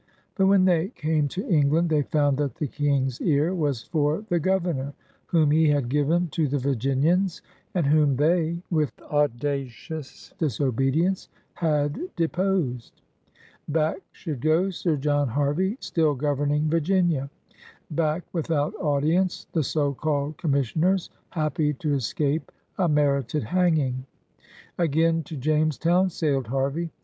But when they came to England, they f oimd that the King's ear was for the Gover nor whom he had given to the Virginians and whom they, with audacious disobedience, had deposed. Back should go Sir John Harvey, still governing Virginia; back without audience the so called com missioners, happy to escape a merited hanging! Again to Jamestown sailed Harvey.